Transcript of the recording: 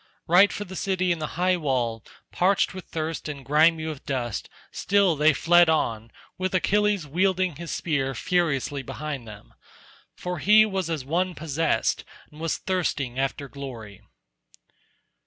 Right for the city and the high wall, parched with thirst and grimy with dust, still they fled on, with Achilles wielding his spear furiously behind them. For he was as one possessed, and was thirsting after glory.